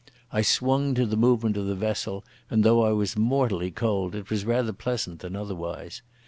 I swung to the movement of the vessel, and though I was mortally cold it was rather pleasant than otherwise.